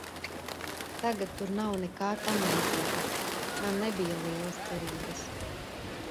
Tagad tur nav nekā tamlīdzīga, man nebija lielas cerības.